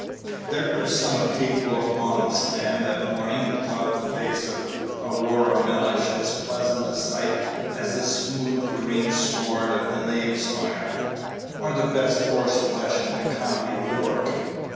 There were some people upon the stand that morning who thought the face of Aurora Mellish as pleasant a sight as the smooth green sward of the Knavesmire, or the best horse flesh in the county of York.